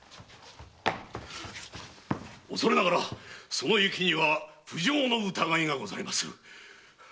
おそれながらその雪には不浄の疑いがございまする。